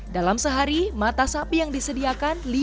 dalam sehari mata sapi yang disediakan